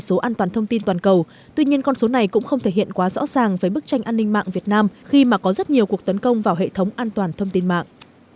trong số an toàn thông tin toàn cầu tuy nhiên con số này cũng không thể hiện quá rõ ràng với bức tranh an ninh mạng việt nam khi mà có rất nhiều cuộc tấn công vào hệ thống an toàn thông tin mạng